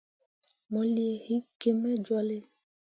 Mo lii hikki gi me jolle.